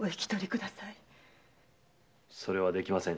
それはできません。